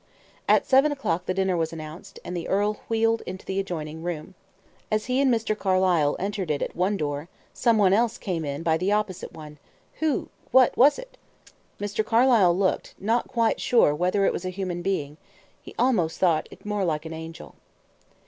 At seven o'clock the dinner was announced, and the earl wheeled into the adjoining room. As he and Mr. Carlyle entered it at one door, some one else came in by the opposite one. Who what was it? Mr. Carlyle looked, not quite sure whether it was a human being he almost thought it more like an angel.